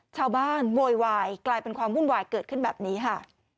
โวยวายกลายเป็นความวุ่นวายเกิดขึ้นแบบนี้ค่ะ